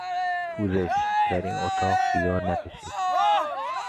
پوزش، در این اتاق سیگار نکشید!